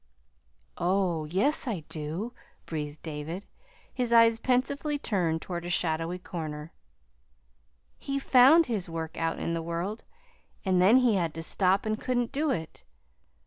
"Oh, yes, I do," breathed David, his eyes pensively turned toward a shadowy corner. "He found his work out in the world, and then he had to stop and couldn't do it.